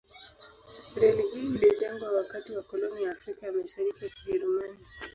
Reli hii ilijengwa wakati wa koloni ya Afrika ya Mashariki ya Kijerumani.